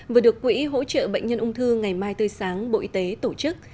vừa được quỹ hỗ trợ bệnh nhân ung thư ngày mai tươi sáng bộ y tế tổ chức